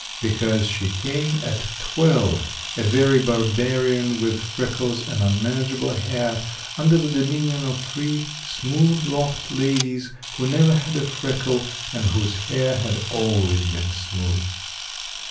Because she came at twelve, a very barbarian, with freckles and unmanageable hair, under the dominion of three smooth locked ladies, who never had a freckle and whose hair had always been smooth.